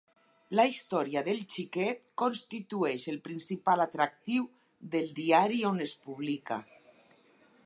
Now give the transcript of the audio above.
La història del xiquet constitueix el principal atractiu del diari on es publica.